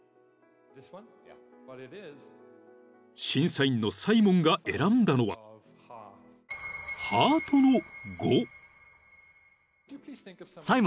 ［審査員のサイモンが選んだのはハートの５］